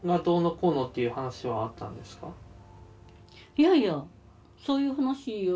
いやいやそういう話より。